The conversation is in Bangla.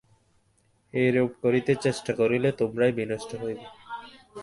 এইরূপ করিতে চেষ্টা করিলে তোমরাই বিনষ্ট হইবে।